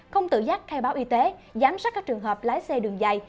không tự giác khai báo y tế giám sát các trường hợp lái xe đường dài